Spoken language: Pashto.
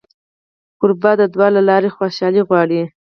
کوربه د دعا له لارې خوشالي غواړي.